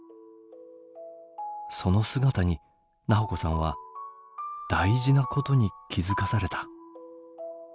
その姿に菜穂子さんは大事なことに気付かされた。